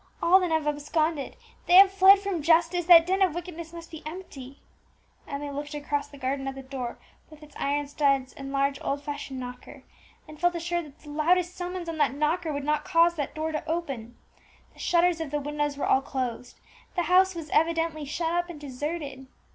All then have absconded, they have fled from justice; that den of wickedness must be empty." Emmie looked across the garden at the door with its iron studs and large old fashioned knocker, and felt assured that the loudest summons on that knocker would not cause that door to open. The shutters of the windows were all closed, the house was evidently shut up and deserted.